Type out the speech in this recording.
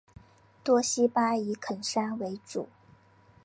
多希巴以垦山为生。